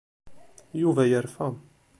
Yuba yerfa.